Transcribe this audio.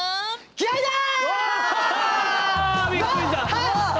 気合いだー！